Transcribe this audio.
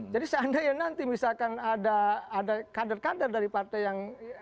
jadi seandainya nanti misalkan ada kader kader dari partai yang